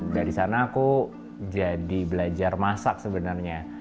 dari sana aku jadi belajar masak sebenarnya